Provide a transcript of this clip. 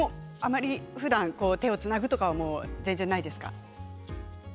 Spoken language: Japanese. ふだん手をつなぐとか全然ないですか？